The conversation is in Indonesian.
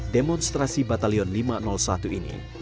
demonstrasi batalion lima ratus satu ini bukan hanya untuk mencari penyelamat